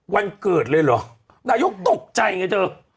วันเกิดเลยเหรอนายกตกใจไงเธอ